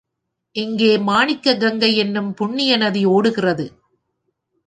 இங்கே மாணிக்க கங்கை என்னும் புண்ணிய நதி ஓடுகிறது.